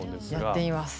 やってみます。